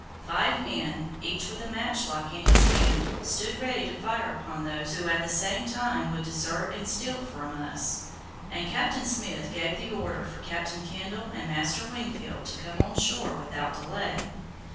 Five men, each with a matchlock in his hand, stood ready to fire upon those who would at the same time desert and steal from us, and Captain Smith gave the order for Captain Kendall and Master Wingfield to come on shore without delay.